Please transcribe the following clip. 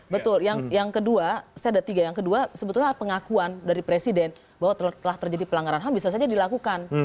betul yang kedua saya ada tiga yang kedua sebetulnya pengakuan dari presiden bahwa telah terjadi pelanggaran ham bisa saja dilakukan